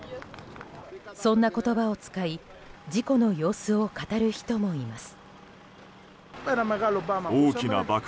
そんな言葉を使い事故の様子を語る人もいます。